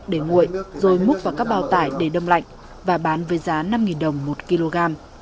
để nguội rồi múc vào các bao tải để đông lạnh và bán với giá năm đồng một kg